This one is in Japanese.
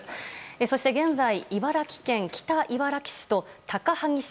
そして現在茨城県北茨城市と高萩市